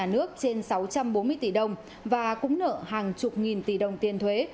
nhà nước trên sáu trăm bốn mươi tỷ đồng và cũng nợ hàng chục nghìn tỷ đồng tiền thuế